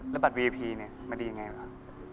แล้วบัตรวีพีเนี่ยมันดียังไงครับ